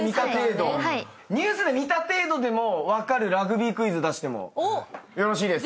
ニュースで見た程度でも分かるラグビークイズ出してもよろしいですか？